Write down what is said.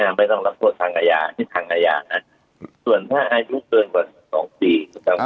ไม่ต้องรับโทษทางอาญาที่ทางอาญานะส่วนถ้าอายุเกิน๑๒ปี